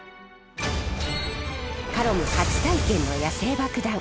カロム初体験の野性爆弾。